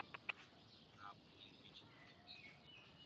Ntabwo nkina imikino ya mudasobwa .